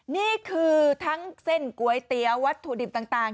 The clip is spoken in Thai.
นี่คือทั้งเส้นก๋วยเตี๋ยววัตถุดิบต่าง